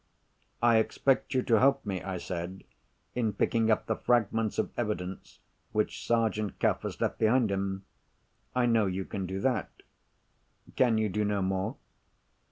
"I expect you to help me," I said, "in picking up the fragments of evidence which Sergeant Cuff has left behind him. I know you can do that. Can you do no more?"